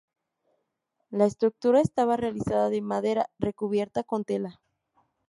La estructura estaba realizada de madera, recubierta con tela.